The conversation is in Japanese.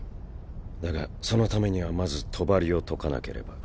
だがそのためにはまず帳を解かなければ。